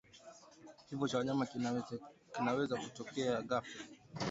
Kifo kwa wanyama kinaweza kutokea ghafla